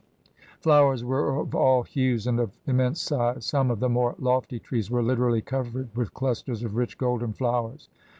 Flowers were of all hues, and of immense size; some of the more lofty trees were literally covered with clusters of rich golden flowers.